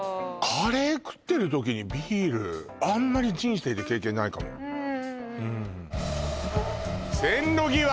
カレー食ってる時にビールあんまり人生で経験ないかも線路ぎわ！